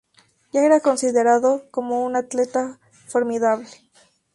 Ya era considerado como un atleta formidable.